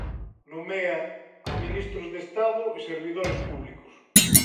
Nomea a Ministros de Estado e servidores públicos.